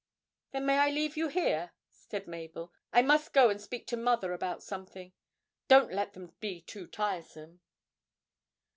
'Then may I leave you here?' said Mabel. 'I must go and speak to mother about something. Don't let them be too tiresome.'